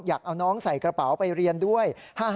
อยากเอาน้องใส่กระเป๋าไปเรียนด้วย